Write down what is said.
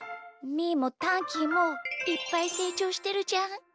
みーもタンキーもいっぱいせいちょうしてるじゃん。